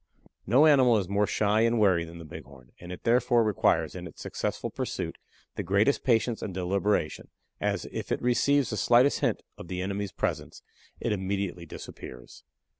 No animal is more shy and wary than the Bighorn, and it therefore requires in its successful pursuit the greatest patience and deliberation, as, if it receives the slightest hint of the enemy's presence, it immediately disappears.